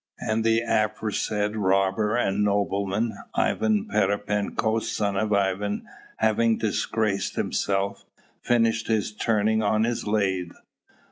And the aforesaid robber and nobleman, Ivan Pererepenko, son of Ivan, having disgraced himself, finished his turning on his lathe.